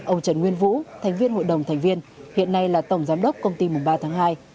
ông trần nguyên vũ thành viên hội đồng thành viên hiện nay là tổng giám đốc công ty mùng ba tháng hai